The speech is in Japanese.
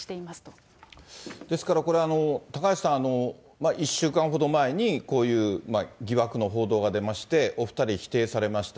ですからこれ、高橋さん、１週間ほど前にこういう疑惑の報道が出まして、お２人否定されました。